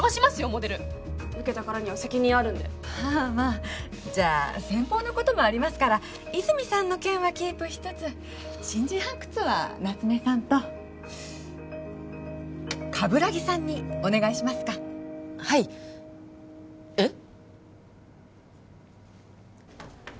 モデル受けたからには責任あるんでまあまあじゃあ先方のこともありますから和泉さんの件はキープしつつ新人発掘は夏目さんと鏑木さんにお願いしますかはいえっ？